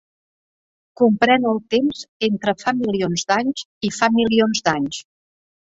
Comprèn el temps entre fa milions d'anys i fa milions d'anys.